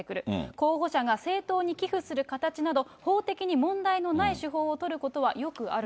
候補者が政党に寄付する形など、法的に問題のない手法を取ることはよくあると。